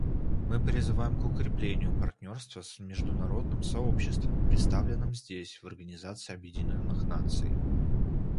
Мы призываем к укреплению партнерства с международным сообществом, представленным здесь в Организации Объединенных Наций.